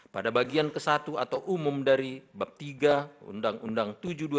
pada bagian ke satu atau umum dari bab tiga undang undang tujuh dua ribu